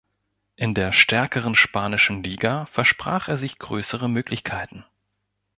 In der stärkeren Spanischen Liga versprach er sich größere Möglichkeiten.